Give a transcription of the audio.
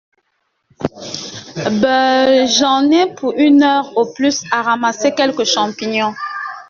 Bah, j’en ai pour une heure au plus à ramasser quelques champignons!